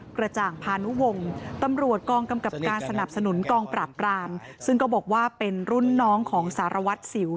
กระจ่างภานุวงเต้นจากเรื่องว่าเป็นรุ่นน้องของสารวัตรศิวป์